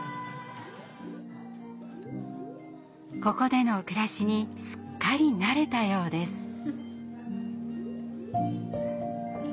ここでの暮らしにすっかり慣れたようです。